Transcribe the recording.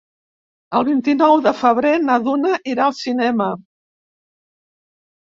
El vint-i-nou de febrer na Duna irà al cinema.